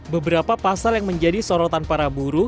beberapa pasal yang menjadi sorotan para buruh